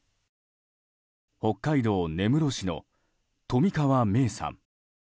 北海道根室市の冨川芽生さん。